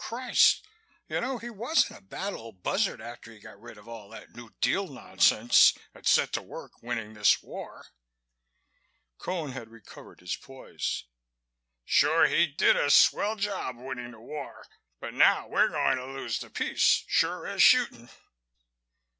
Christ! You know, he wasn't a bad old buzzard after he got rid of all that New Deal nonsense and set to work winning this war." Cone had recovered his poise. "Sure he did a swell job winning the war, but now we're going to lose the peace, sure as shooting!"